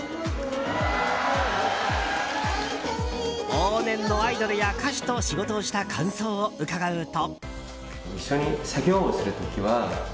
往年のアイドルや歌手と仕事をした感想を伺うと。